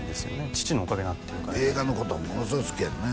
父のおかげだっていうか映画のことものすごい好きやんね